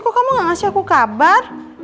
kok kamu gak ngasih aku kabar